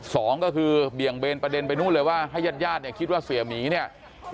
สองก็คือเบี่ยงเบนประเด็นไปนู่นเลยว่าให้ญาติญาติเนี่ยคิดว่าเสียหมีเนี่ย